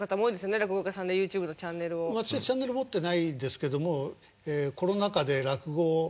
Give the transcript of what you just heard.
私はチャンネル持ってないですけどもコロナ禍で落語をやったんですね。